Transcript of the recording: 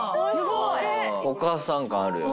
お母さん感あるよね。